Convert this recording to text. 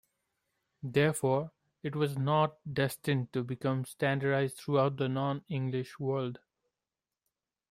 Therefore, it was not destined to become standardized throughout the non-English world.